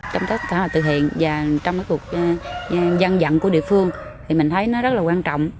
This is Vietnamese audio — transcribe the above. trong các xã hội tự hiện và trong các cuộc dân dặn của địa phương thì mình thấy nó rất là quan trọng